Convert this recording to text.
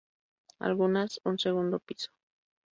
Algunas un segundo piso.